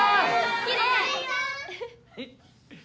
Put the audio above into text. きれい！